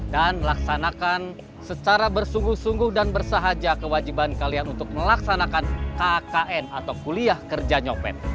dan melaksanakan secara bersungguh sungguh dan bersahaja kewajiban kalian untuk melaksanakan kkn atau kuliah kerja nyopet